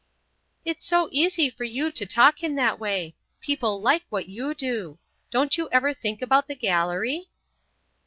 "It's so easy for you to talk in that way. People like what you do. Don't you ever think about the gallery?"